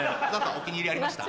お気に入りありました？